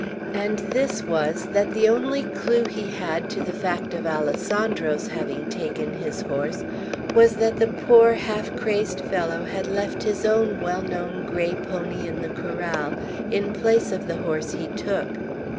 And this was, that the only clew he had to the fact of Alessandro's having taken his horse, was that the poor, half crazed fellow had left his own well known gray pony in the corral in place of the horse he took.